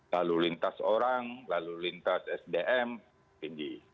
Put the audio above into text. lalu lintas orang lalu lintas sdm tinggi